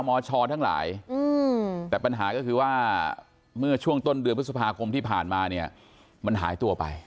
มชทั้งหลายแต่ปัญหาก็คือว่าเมื่อช่วงต้นเดือนพฤษภาคมที่ผ่านมาเนี่ยมันหายตัวไป